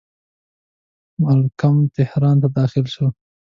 مالکم تهران ته داخل شو.